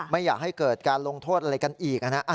ไม่อยากให้เกิดการลงโทษอะไรกันอีกนะ